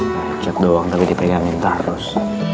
lecet doang tapi diperiangin terus